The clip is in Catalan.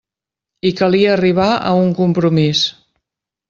I calia arribar a un compromís.